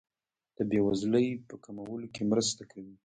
د بیوزلۍ په کمولو کې مرسته کوي.